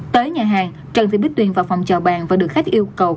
tới nhà hàng trần thị bích tuyền vào phòng chờ bàn và được khách yêu cầu